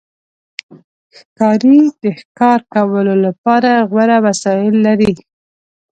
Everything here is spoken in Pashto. ښکاري د ښکار کولو لپاره غوره وسایل لري.